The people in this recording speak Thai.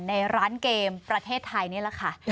ในร้านเกมประเทศไทยนี่แหละค่ะ